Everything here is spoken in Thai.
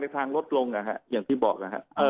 แต่ทางรถลงนะครับอย่างที่บอกนะครับ